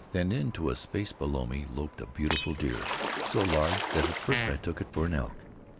Then into a space below me loped a beautiful deer, so large that at first I took it for an elk.